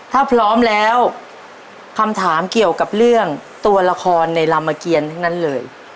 ถ้าพร้อมแล้วคำถามเกี่ยวกับเรื่องตัวละครในรามเกียรทั้งนั้นเลย